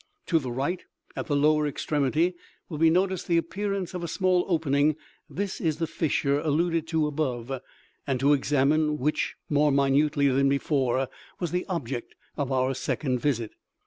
To the right, at the lower extremity, will be noticed the appearance of a small opening; this is the fissure alluded to above, and to examine which more minutely than before was the object of our second visit.